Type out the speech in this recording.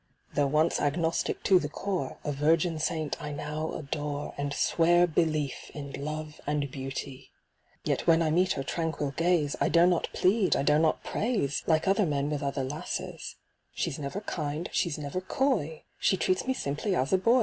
Though once Agnostic to the core, A virgin Saint I now adore. And swear belief in Love and Beauty. Yet when I meet her tranciuil gaze, I dare not plead, I dare not praise. Like other men with other lasses ; She's never kind, she's never coy, She treats me simply as a boy.